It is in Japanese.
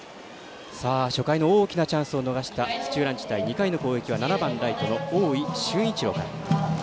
初回の大きなチャンスを逃した土浦日大、２回の攻撃は７番ライトの大井駿一郎から。